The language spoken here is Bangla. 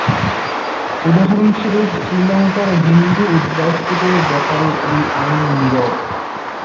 উদাহরণস্বরূপ শ্রীলঙ্কার হিন্দু উদ্বাস্তুদের ব্যাপারে এই আইন নীরব।